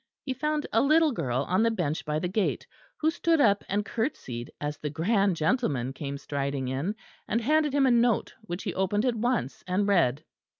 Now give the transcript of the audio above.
He found a little girl on the bench by the gate, who stood up and curtseyed as the grand gentleman came striding in; and handed him a note which he opened at once and read.